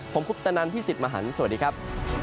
ผมคุปตะนันพี่สิทธิ์มหันฯสวัสดีครับ